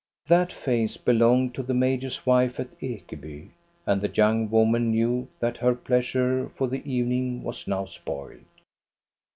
That face belonged to the major's wife at Ekeby, and the young woman knew that her pleasure for the evening was now spoiled.